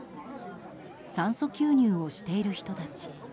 酸素吸入をしている人たち。